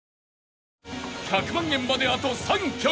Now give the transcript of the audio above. ［１００万円まであと３曲。